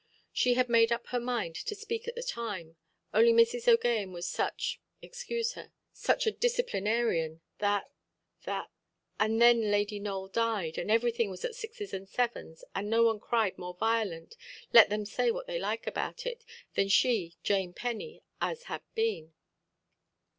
She had made up her mind to speak at the time, only Mrs. OʼGaghan was such—excuse her—such a disciplinarian, that—that—and then Lady Nowell died, and everything was at sixes and sevens, and no one cried more violent, let them say what they like about it, than she, Jane Penny as had been.